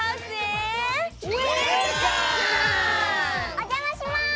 おじゃまします！